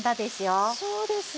あそうですね！